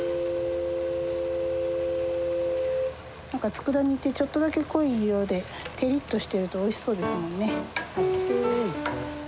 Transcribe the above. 何かつくだ煮ってちょっとだけ濃い色で照りっとしてるとおいしそうですもんね。